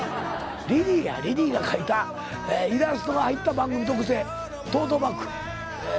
リリーやリリーが描いたイラストが入った番組特製トートバッグ。